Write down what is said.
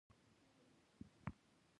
هغه د خلکو له خوا ډېر وستایل شو.